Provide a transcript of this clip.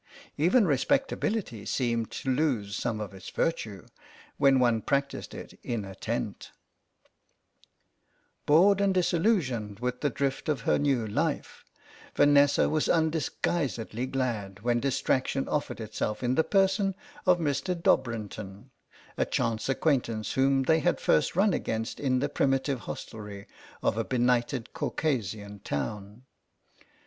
Even respectability seemed to lose some of its virtue when one practised it in a tent. 100 CROSS CURRENTS Bored and disillusioned with the drift of her new life, Vanessa was undisguisedly glad when distraction offered itself in the person of Mr. Dobrinton, a chance acquaintance whom they had first run against in the primitive hostelry of a benighted Caucasian town.